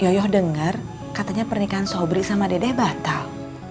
yoyoh dengar katanya pernikahan sobri sama dede batal